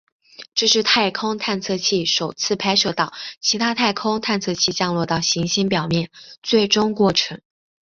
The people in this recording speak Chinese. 这是太空探测器首次拍摄到其他太空探测器降落到行星表面最终过程。